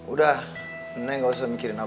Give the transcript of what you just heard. udah mbak nggak usah mikirin apa